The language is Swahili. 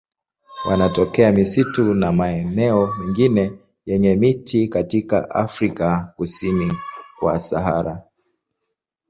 Wanatokea misitu na maeneo mengine yenye miti katika Afrika kusini kwa Sahara.